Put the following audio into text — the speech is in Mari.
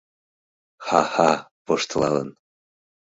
— Ха-ха, — воштылалын